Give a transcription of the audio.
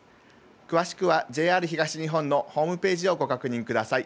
詳しくはＪＲ東日本のホームページをご確認ください。